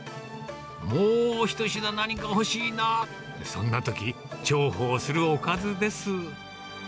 もう一品何か欲しいな、そんなとき、重宝するおかずです。